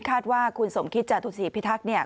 คาดว่าคุณสมคิตจาตุศีพิทักษ์เนี่ย